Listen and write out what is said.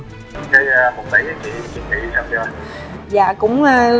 cái phục tỷ chị nghĩ sao chưa ạ